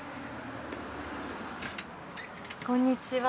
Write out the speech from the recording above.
こんにちは。